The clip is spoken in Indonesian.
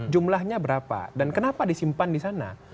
jumlahnya berapa dan kenapa disimpan di sana